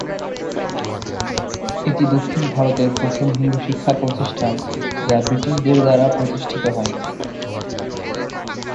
এটি দক্ষিণ ভারতের প্রথম হিন্দু শিক্ষা প্রতিষ্ঠান যা ব্রিটিশদের দ্বারা প্রতিষ্ঠিত হয়নি।